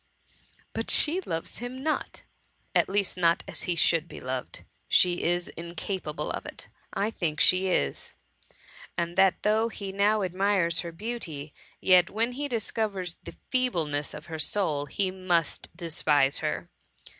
But she loves him not ; at least not as he should be loved. She is in capable of it." ^' I think she is — and that though he now admires her beauty, yet, when he discovers the feebleness of her soul, he must despise her.""